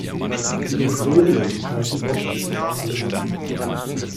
In der Schwerelosigkeit jedoch ist alles anders.